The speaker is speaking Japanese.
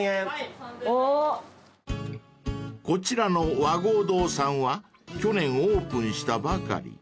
［こちらの和合堂さんは去年オープンしたばかり］